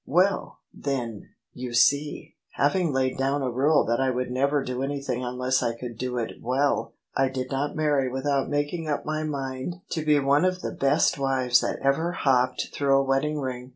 " "Well, then, you see, having laid down a rule that I would never do anything unless I could do it well, I did not marry without making up my mind to be one of the best wives that ever hopped through a wedding ring.